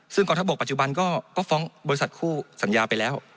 ซึ่งกองทัพบกปัจจุบันก็ฟ้องบริษัทคู่สัญญาไปแล้ว